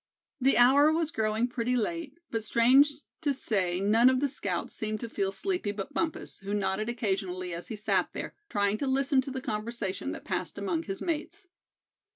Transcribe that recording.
The hour was growing pretty late, but strange to say none of the scouts seemed to feel sleepy but Bumpus, who nodded occasionally as he sat there, trying to listen to the conversation that passed among his mates.